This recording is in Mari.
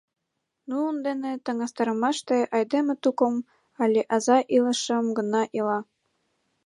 Нунын дене таҥастарымаште, айдеме тукым але аза илышым гына ила.